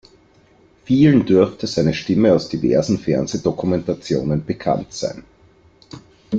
Vielen dürfte seine Stimme aus diversen Fernsehdokumentationen bekannt sein.